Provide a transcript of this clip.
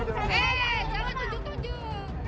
eh jangan tunjuk tunjuk